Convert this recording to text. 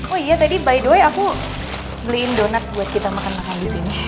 oh iya tadi by the way aku beliin donat buat kita makan makan di sini